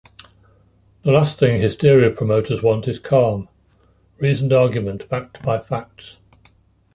The last thing hysteria promoters want is calm, reasoned argument backed by facts.